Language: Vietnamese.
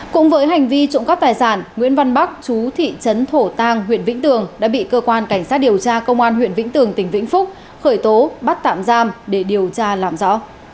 cũng với hành vi trộm cắp tài sản nguyễn văn bắc chú thị trấn thổ tàng huyện vĩnh tường đã bị cơ quan cảnh sát điều tra công an huyện vĩnh tường tỉnh vĩnh phúc khởi tố bắt tạm giam để điều tra làm rõ